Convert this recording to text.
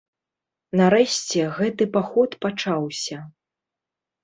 Нарэшце гэты паход пачаўся.